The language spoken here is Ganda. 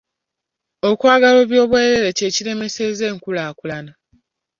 Okwagala eby’obwerere kye kiremesezza enkulaakula.